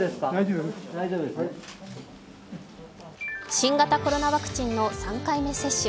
新型コロナワクチンの３回目接種。